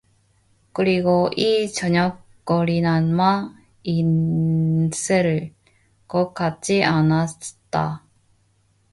그리고 이 저녁거리나마 있을 것 같지 않았다.